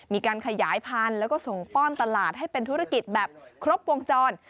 มีการขยายพันธุ์แล้วก็ส่งป้อนตลาดให้เป็นธุรกิจแบบครบวงจร